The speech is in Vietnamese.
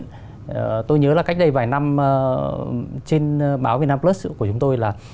tuy nhiên tôi nhớ là cách đây vài năm trên báo vietnam plus của chúng tôi